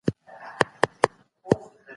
بهادر خان ملا محمدصديق پوپلزى